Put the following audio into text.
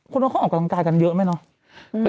คนว่าเขากำลังกายกันเยอะไหมเนอะ